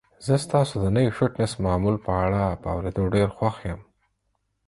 زه ستاسو د نوي فټنس معمول په اړه په اوریدو ډیر خوښ یم.